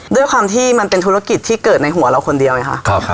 ด้วยความที่มันเป็นธุรกิจที่เกิดในหัวเราคนเดียวไงค่ะ